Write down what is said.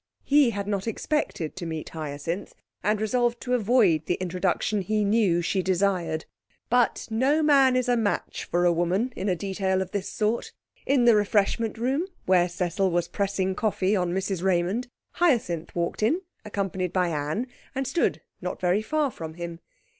He had not expected to meet Hyacinth, and resolved to avoid the introduction he knew she desired. But no man is a match for a woman in a detail of this sort. In the refreshment room, where Cecil was pressing coffee on Mrs Raymond, Hyacinth walked in, accompanied by Anne, and stood not very far from him.